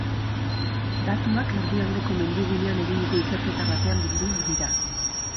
Datuak Erdialdeko Mendigunean eginiko ikerketa batean bilduak dira.